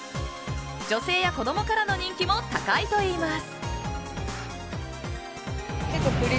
女性や子供からの人気も高いといいます。